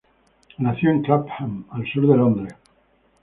Nació en Clapham, al sur de Londres.